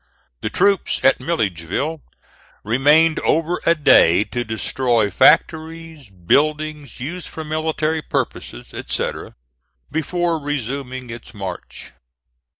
The troops at Milledgeville remained over a day to destroy factories, buildings used for military purposes, etc., before resuming its march.